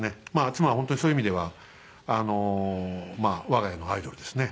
妻は本当にそういう意味ではあの我が家のアイドルですね。